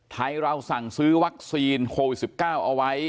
ไทยเราสั่งซื้อวัคซีนโควิด๑๙เอาไว้